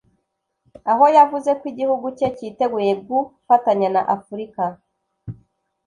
aho yavuze ko igihugu cye cyiteguye gufatanya na Afurika